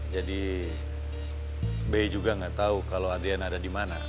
jadi be juga gak tau kalo adriana ada dimana